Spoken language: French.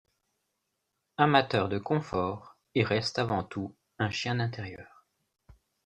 Amateur de confort, il reste avant tout un chien d'intérieur.